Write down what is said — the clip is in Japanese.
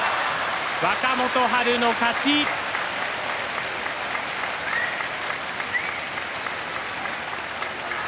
若元春の勝ちです。